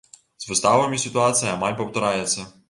З выставамі сітуацыя амаль паўтараецца.